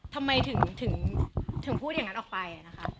ทำไมถึงพูดอย่างนั้นออกไปนะคะ